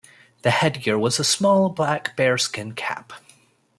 The headgear was a small black bearskin cap.